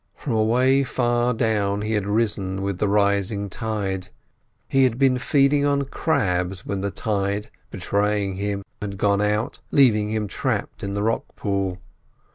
From away far down he had risen with the rising tide. He had been feeding on crabs, when the tide, betraying him, had gone out, leaving him trapped in the rock pool.